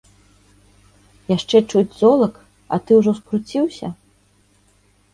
Яшчэ чуць золак, а ты ўжо ўскруцiўся?